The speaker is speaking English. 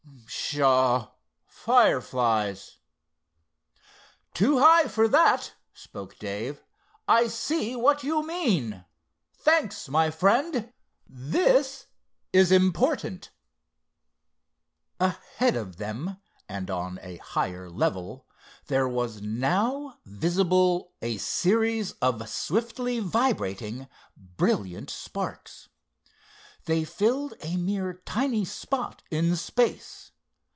Pshaw!—fireflies." "Too high for that," spoke Dave, "I see what you mean. Thanks my friend, this is important!" Ahead of them, and on a higher level, there was now visible a series of swiftly vibrating brilliant sparks. They filled a mere tiny spot in space.